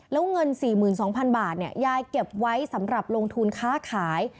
แล้วเงิน๔๒๐๐๐บาทยายเก็บไว้สำหรับลงทุนค้าขาย